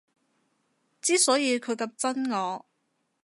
之所以佢咁憎我